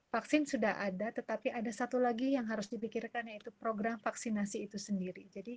vaksin sudah ada tetapi ada satu lagi yang harus dipikirkan yaitu program vaksinasi itu sendiri